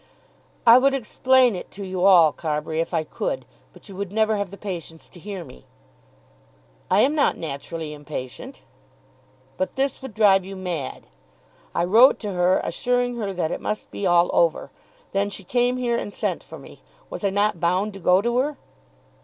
"I would explain it to you all, Carbury, if I could. But you would never have the patience to hear me." "I am not naturally impatient." "But this would drive you mad. I wrote to her assuring her that it must be all over. Then she came here and sent for me. Was I not bound to go to her?"